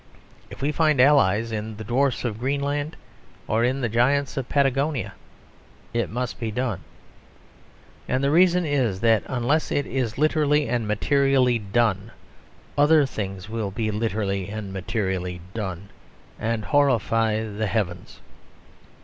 If we find allies in the dwarfs of Greenland or the giants of Patagonia, it must be done. And the reason is that unless it is literally and materially done, other things will be literally and materially done; and horrify the heavens.